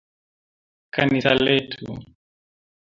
Kanisa letu.